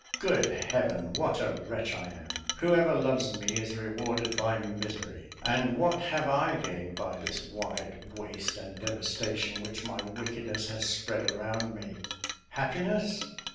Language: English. Good Heaven! what a wretch am I! whoever loves me is rewarded by misery. And what have I gained by this wide waste and devastation, which my wickedness has spread around me? Happiness?